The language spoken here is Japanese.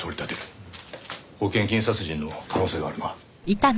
保険金殺人の可能性があるな。